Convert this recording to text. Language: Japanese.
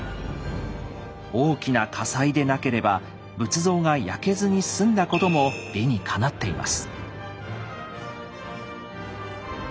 大きな火災でなければ仏像が焼けずにすんだことも理にかなっています。